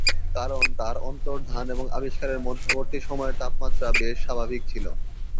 কারণ তার অন্তর্ধান এবং আবিষ্কারের মধ্যবর্তী সময়ের তাপমাত্রা বেশ স্বাভাবিক ছিল।